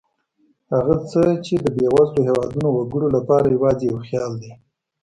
هغه څه چې د بېوزلو هېوادونو وګړو لپاره یوازې یو خیال دی.